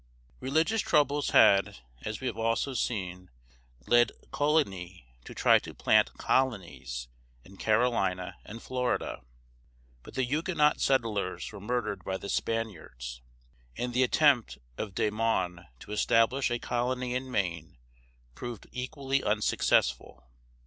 Religious troubles had, as we have also seen, led Coligny to try to plant colonies in Carolina and Florida. But the Huguenot settlers were murdered by the Spaniards, and the attempt of De Monts (mawN) to establish a colony in Maine proved equally unsuccessful.